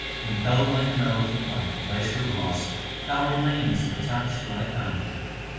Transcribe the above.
l Impelled like an elephant by the pleasure of lust, thou remainest attached to thy family.